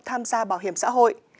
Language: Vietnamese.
tham gia bảo hiểm xã hội